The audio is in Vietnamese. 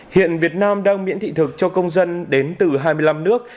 hiện việt nam đang miễn thị thực cho công dân đến từ hai mươi năm nước